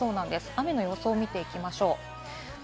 雨の予想を見ていきます。